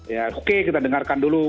ya oke kita dengarkan dulu